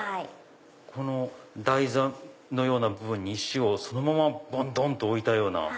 この台座のような部分に石をそのままドン！と置いたような。